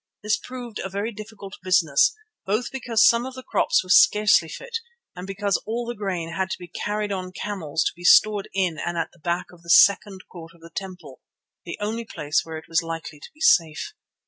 This proved a very difficult business, both because some of the crops were scarcely fit and because all the grain had to be carried on camels to be stored in and at the back of the second court of the temple, the only place where it was likely to be safe.